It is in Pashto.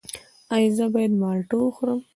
ایا زه باید مالټه وخورم؟